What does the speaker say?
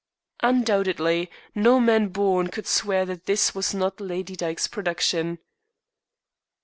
"Undoubtedly. No man born could swear that this was not Lady Dyke's production."